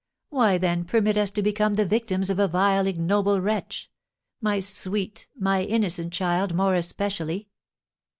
Why, then, permit us to become the victims of a vile, ignoble wretch, my sweet, my innocent child more especially?